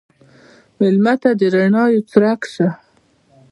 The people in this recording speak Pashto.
مېلمه ته د رڼا یو څرک شه.